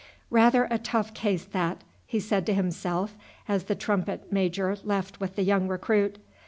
"Rather a tough case that," he said to himself as the trumpet major left with the young recruit.